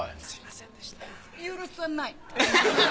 すみませんでした。